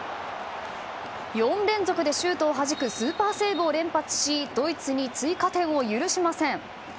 ４連続でシュートをはじくスーパーセーブを連発しドイツに追加点を許しません。